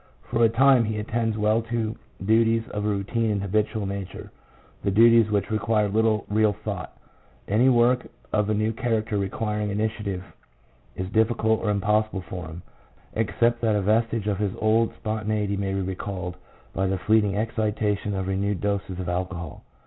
For a time he attends well to duties of a routine and habitual nature, 2 the duties which require little real thought; any work of a new character requiring initiative is difficult or impossible for him, except that a vestige of his old spontaneity may be recalled by the fleeting excitation of renewed doses of alcohol.